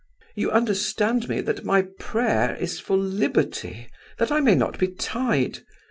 You understand me, that my prayer is for liberty, that I may not be tied.